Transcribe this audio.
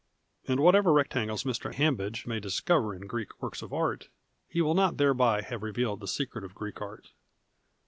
And whatever rectangles Mr. Hambidgc may discover in Greek works of art, he will not thereby have revealed the secret of Greek art.